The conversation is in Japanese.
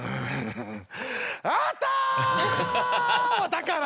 だから！